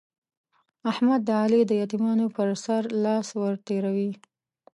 احمد د علي د يتيمانو پر سر لاس ور تېروي.